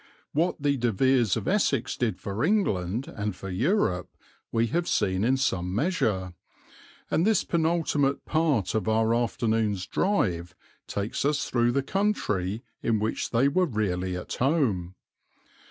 What the De Veres of Essex did for England and for Europe we have seen in some measure, and this penultimate part of our afternoon's drive takes us through the country in which they were really at home.